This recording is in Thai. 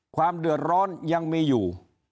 ความเดือดร้อนยังมีอยู่